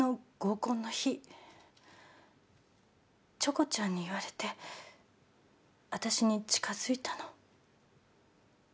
チョコちゃんに言われて私に近づいたの？